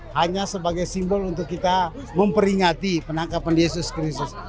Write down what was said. hanya sebagai simbol untuk kita memperingati penangkapan yesus krisis